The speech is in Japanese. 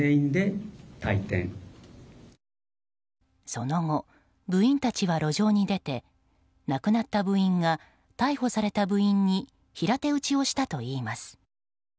その後、部員たちは路上に出て亡くなった部員が逮捕された部員に平手打ちをしたといいます。